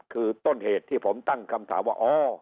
คือต้นเหตุที่ผมตั้งคำถามว่าอ๋อ